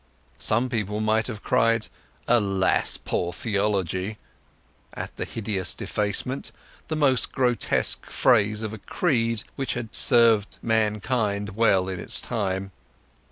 Some people might have cried "Alas, poor Theology!" at the hideous defacement—the last grotesque phase of a creed which had served mankind well in its time.